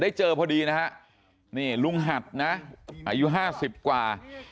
ได้เจอพอดีนะฮะนี่ลุงหัดนะอายุ๕๐กว่า